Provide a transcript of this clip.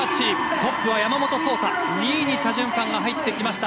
トップは山本草太２位にチャ・ジュンファンが入ってきました。